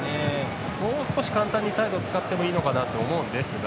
もう少し簡単にサイドを使ってもいいと思うんですが。